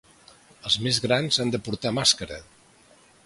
Els més grans han de portar màscara.